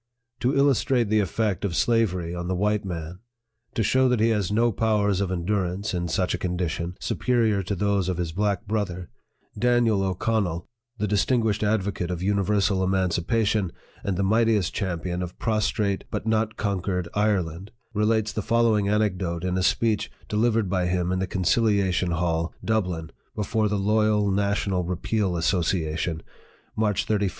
To illustrate the effect of slavery on the white man, to show that he has no powers of endurance, in such a condition, superior to those of his black brother, DANIEL O'CONNELL, the distinguished advocate of universal emancipation, and the mightiest champion of prostrate but not conquered Ireland, relates the following anecdote in a speech de livered by him in the Conciliation Hall, Dublin, before the Loyal National Repeal Association, March 31, 1845.